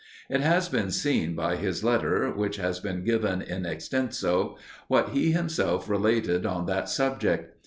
It has been seen by his letter, which has been given in extenso, what he himself related on that subject.